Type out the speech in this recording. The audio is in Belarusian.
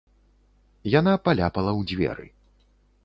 Яна паляпала ў дзверы.